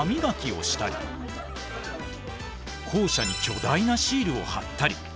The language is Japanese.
校舎に巨大なシールを貼ったり。